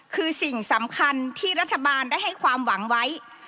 คือสิ่งสำคัญที่รัฐบาลได้ให้ความหวังไว้